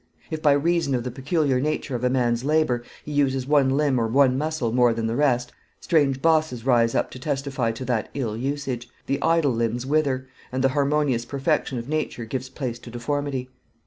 If by reason of the peculiar nature of a man's labour, he uses one limb or one muscle more than the rest, strange bosses rise up to testify to that ill usage, the idle limbs wither, and the harmonious perfection of Nature gives place to deformity.